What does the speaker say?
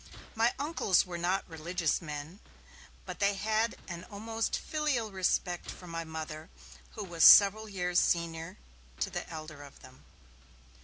My uncles were not religious men, but they had an almost filial respect for my Mother, who was several years senior to the elder of them.